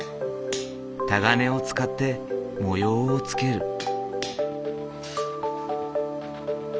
タガネを使って模様をつける。